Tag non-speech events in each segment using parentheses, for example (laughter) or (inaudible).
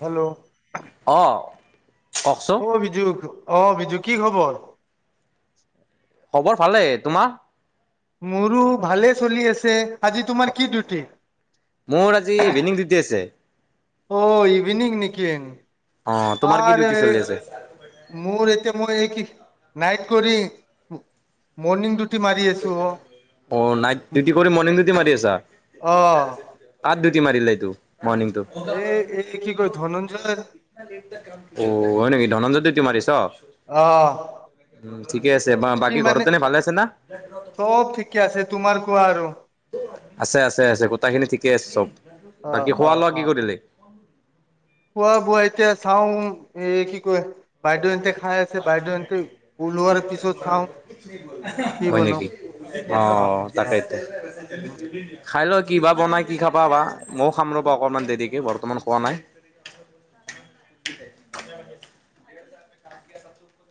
Hello অ', কওকচোন অ বিজু অ বিজু কি খবৰ খবৰ ভালে তোমাৰ? মোৰো ভালে চলি আছে। আজি তোমাৰ কি ডিউটি মোৰ আজি ইভিনিং ডউটি আছে। অ ইভিনিং নিকি। অ', তোমাৰ কি ডিউটি আৰু চলি আছে? মোৰ এতিয়া মই এই কি। নাইট কৰি মৰ্ণং অ নাইট ডিউটি কৰি মৰ্ণং ডিউটি মাৰি আছা। অ মাৰিলে তো মৰ্ণং এই এই কি কয় ধনঞ্জয় অ হয় নেকি ধনঞ্জয় ডিওতি তু মাৰিছ অ উ ঠিকে আছে বা সি বাকী ঘৰত মানে তেনে ভালে আছে না চব ঠিকে আছে তোমাৰ কোৱা? অ আছে আছে আছে গোটেই খিনি ঠিকে আছে চব অ বাকী অ খোৱা লোৱা কি অ কৰিলি? কোৱা বোৱা চাওঁ এ কি কয় বাইদেউহতে খাই আছে বাইদেউহতে ওলোৱাৰ পিছত চাও কি হয় বনাও নেকি অ তাকে ইতে খাই ল কি বাা বনাই কি খাবা বাা ময়ো খাম ৰ'বা অকনমান দেৰিকে বৰ্তমান খোৱা নাই।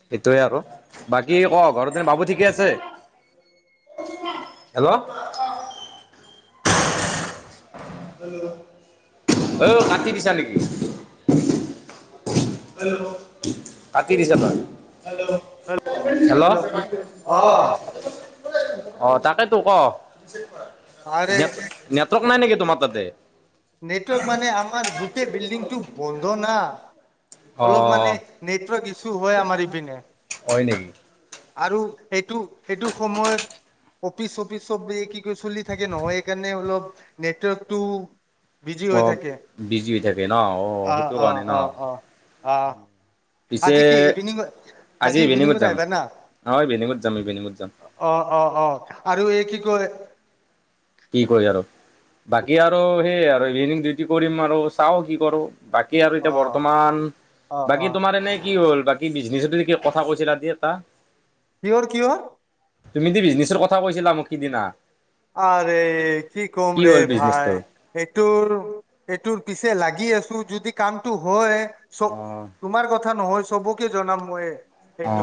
সেইটোৱে আকো বাকী ক ঘৰতেনে বাবু ঠিকে আছে হেল্ল'। অ কাটি দিছা নেকি? কাটি দিছা তই। হেল্ল', অ। অ তাকেতো ক। আৰে নেপ নেপ নাই নেকি তোমাক তাতে নেটৱৰ্ক মানে আমাৰ গোটেই বিল্ডিংটো বন্ধ না। অ অলপ মানে নে (inaudible) শু হয় আমাৰ পিনে। হয় নেকি আৰু সেইটো সেইটো সময়ত অফিচ চফিচ চব কি ক চলি থাকে নহয় সেইকাৰণে অলপ নেটৱৰ্কটো বিজি অ হৈ থাকে বিজি হৈ থাকে ন অ সেইটো কাৰণে ন। অহ। পিছে আজি কি ইভিনিংত আজি ইভিনিঙত আহিবা না? অ ইভিনিঙত যাম ইভিনিঙত যাম অ অ অ আৰু এই কি কয় কি ক আৰু বাকী আৰু সেইয়াই আৰু ইভিনিং ডিউটি কৰিম আৰু চাও কি কৰো। বাকী আৰু অ এতিয়া বৰ্তমান অ অ বাকী তোমাৰ এনে কি হ'ল? বাকী বিজনেচদি ক কথা কৈছিলা যি এটা। কিহৰ কিহৰ? তুমি দি বিজনেছৰ কথা কৈছিলা মোক সিদিনা আৰে কি কম ৰে হ'ল ভাই বিজনেচটো? এইটোৰ এইটোৰ পিছে লাগি আছো যদি কামটো হয় চ অ' তোমাৰ কথা নহয় চবকে জনাম মই। অ সেইটো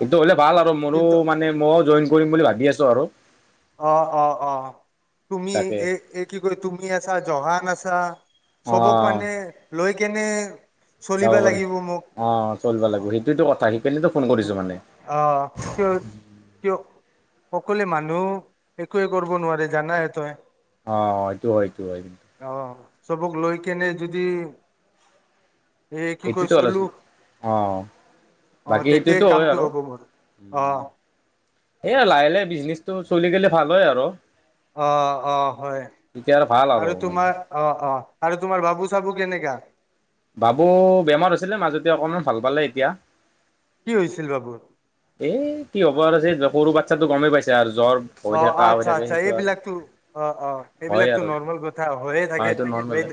সিটো হলে ভাল আৰু মোৰো কিন্তু মানে মইও জইন কৰিম বুলি ভাবি আছো আৰু। অ অ অ তুমি তাকে এ কি ক তুমি আছা জহান আছা চবক অ' মানে লৈ কেনে যাব চলিবা পাৰি লাগিব মোক অ চলিব লাগিব সেইটোৱেতো কথা সেইকাৰণে উ অ ক অকলে মানুহ একোৱে কৰিব নোৱাৰি জানাই তই অ হয়টো হয় অ চবক লৈ কেনে যদি এ কি কয় এতিতো অল, চলো অ'! অ বাকী তেতিয়াই সেইতিতো হয় কামটো আৰু, হ'ব মোৰ অ সেইয়া লাহে লাহে বিজি কেছটো চলি গ'লে ভাল হয় আৰু। অ' অ' হয়! তেতিয়া ভাল আৰু মানে তোমাৰ, অ'! অ'! আৰু তোমাৰ, বাবু চাবু কেনেকা? বাবু বেমাৰ হৈছিলে মাজতে, অকনমান ভাল পালে এতিয়া। কি হৈছিল বাবুৰ? এ কি হ'ব আৰু, সেই সৰু বাচ্ছাতটো গমেই পাইছা আৰু। জ্বৰ হৈ অ' থাকে কাহ হৈ আচ্ছা, থাকে আচ্ছা, সেইটো আৰু এইবিলাকতো অ'! অ'! হয় এইবিলাকতো আৰু অ নৰ্মাল কথা, হৈয়ে থাকে, সেইটো নৰ্মেলে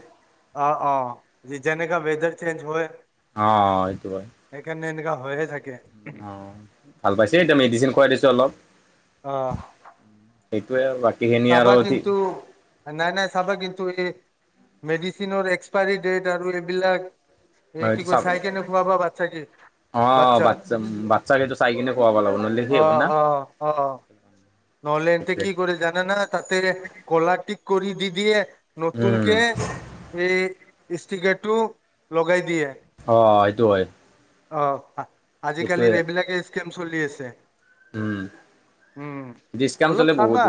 অ' অ' যেনেকা ৱেদাৰ চেঞ্জ হয় অ' সেইটো হয়। হয়হে থাকে। অ' ভাল পাইছে এতিয়া মেডিচিন খুৱাই দিছো অলপ। অঁ! সেইটোৱে, বাকি চাবা কিন্তু নাই, নাই চাবা কিন্ত এতিয়া মেডিচিনৰ এক্সপাইৰী ডেট আৰু এইবিলাক অ এই কি এইটো কয় চাব, চাই কেনে খোৱাবা বাচ্ছা কি অ' বাচ্ছাক বাচ্ছা বাচ্ছাক এইেটো চাই কিনে খোৱাব লাগিব নহলে হেৰি হ'ব না। নহ'লেতে সেইটোৱে কি কৰে জানে না, তাতে কলা টিক কৰি দি‌ দিয়ে উম নতুনকে এই ষ্টিকাৰটো লগাই দিয়ে। অ' সেইটো হয়। অ'! সেইটোৱে আজিকালিৰ এইবিলাকে গেম চলি আছে। উম! উম ডিচকাউণ্ট অলপ চলে বহুত চাবা,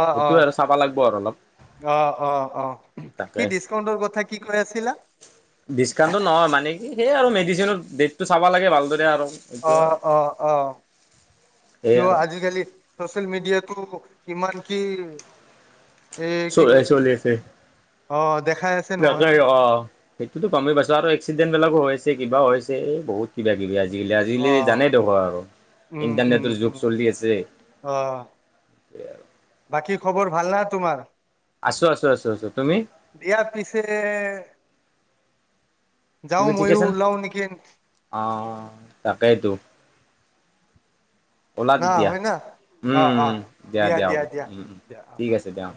অ' সেইটোৱে অ' আৰু চাব লাগিব আৰু অলপ আহ, অ, আহ, তাকে কি ডিচকাউন্টৰ কথা কি কৈ আছিলা? সেয়ে আৰু, ‌ মেডিচিননৰ ডেটটো চাব লাগে ভালদৰে আৰু। এইটো আৰু অ' অ' অ' সেই কিয় আৰু আজিকালি চচিয়েল মিডিয়াতটো কিমান কি এ কি ক চ' চলি আছে, অ দেখাই আছে নহয় তাকে অ সেইটোতো গমেই পাইছোঁ আৰু এক্সিডেন্ট বিলাকো হৈ আছে। কিবা হৈছে এই বহুত কিবা কিবি আজি আজিকালি, অ আজিকালি জানেই দেখোন আৰু উম উম ইণ্টাৰনেটৰ যুগ উম চলি আছেই, অ আৰু বাকী খবৰ ভাল না তোমাৰ? আছো আছো আছো আছো তুমি দিয়া পিছে যাওঁ তুমি ঠিকে ময়ো আছ ওলাও নেকি অ তাকাই তো ওলা না তেতিয়া হয় না অ উমম অ দিয়া দিয়া হ উম ঠিক আছে দিয়া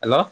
হেল্ল'অ